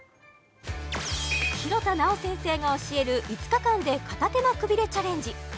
廣田なお先生が教える５日間で片手間くびれチャレンジ